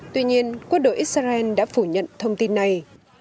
tuy nhiên quân đội israel đã phủ nhận thông tin này